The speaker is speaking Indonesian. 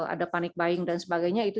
ada panic buying dan sebagainya itu